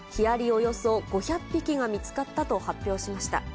およそ５００匹が見つかったと発表しました。